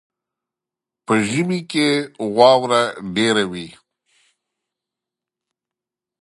په ژمي کې واوره ډېره وي.